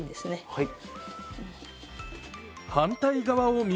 はい。